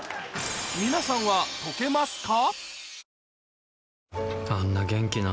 皆さんは解けますか？